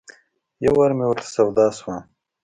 یو وار مې ورته سودا شوه.